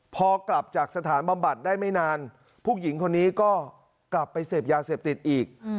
พอกลับจากสถานบำบัดได้ไม่นานผู้หญิงคนนี้ก็กลับไปเสพยาเสพติดอีก